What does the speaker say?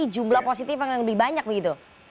jadi jumlah positifnya lebih banyak begitu